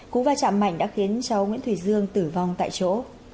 cú va chạm mạnh đã khiến cháu nguyễn thủy dương tử vong tại chỗ